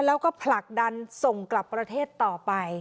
แล้วก็ผลักดันส่งกลับประเทศต่อไป